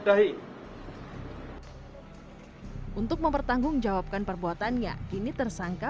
hai untuk mempertanggungjawabkan perbuatannya kini tersangka